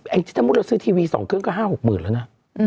แอ้งจิตมุดเราซื้อทีวี๒เครื่องก็๕๖หมื่นแล้วนะ